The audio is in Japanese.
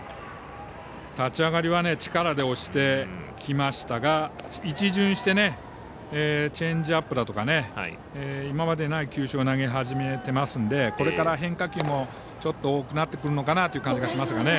立ち上がりは力で押してきましたが一巡してチェンジアップだとか今までにない球種を投げ始めていますのでこれから、変化球もちょっと多くなってくるのかなという感じがします。